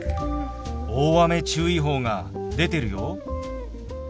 大雨注意報が出てるよ。